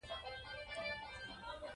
سپهسالار ټينګار وکړ، وزير اعظم کېناست.